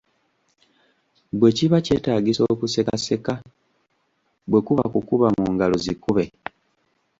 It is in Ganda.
Bwe kiba kyetaagisa okuseka seka, bwe kuba kukuba mu ngalo zikube .